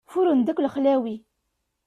Furren-d akk lexlawi.